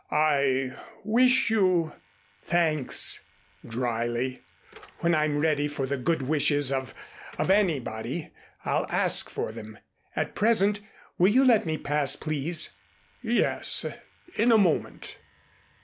I wish you " "Thanks," dryly. "When I'm ready for the good wishes of of anybody, I'll ask for them. At present will you let me pass, please?" "Yes in a moment.